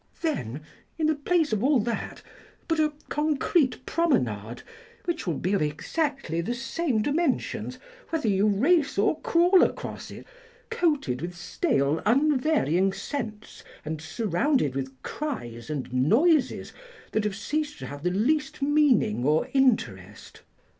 Then, in the place of all that, put a concrete promenade, which will be of exactly the same dimensions whether you race or crawl across it, coated with stale, unvarying scents and surrounded with cries and noises that have ceased to have the least meaning or interest.